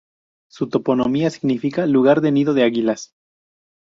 Su toponimia significa "lugar de nido de águilas".